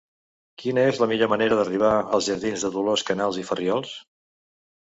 Quina és la millor manera d'arribar als jardins de Dolors Canals i Farriols?